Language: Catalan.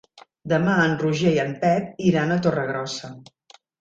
Demà en Roger i en Pep iran a Torregrossa.